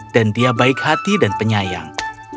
dan dia baik hati dan penyayang